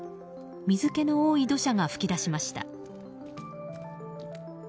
水気の多い土砂が噴き出しました。